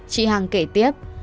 chị hằng kể tiếp